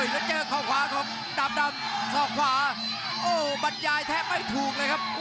แล้วเจอเข้าขวาของดาบดำสอกขวาโอ้บรรยายแทบไม่ถูกเลยครับ